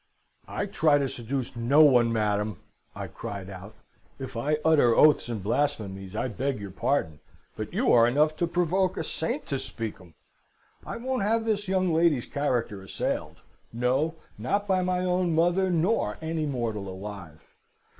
"'I try to seduce no one, madam,' I cried out. 'If I utter oaths and blasphemies, I beg your pardon; but you are enough to provoke a saint to speak 'em. I won't have this young lady's character assailed no, not by own mother nor any mortal alive.